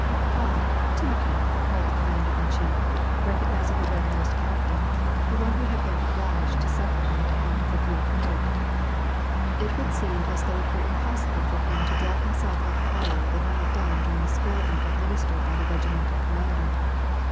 " Ah, Timokhin !" cried the commander in chief, recognizing the red nosed captain, — the one who had been obliged to suf fer on account of the blue capote. It would seem as though it were impossible for him to draw himself up higher than he had done during the scolding ad ministered by the regimental commander.